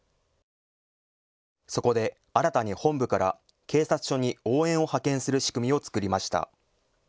そこで新たに本部から警察署に応援を派遣する仕組みを作りました。